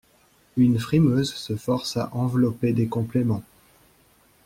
Une frimeuse se force à envelopper des compléments.